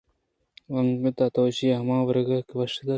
ءُانگت ءَ تو ایشی ءَ ہما وَرَگ کہ وش تریں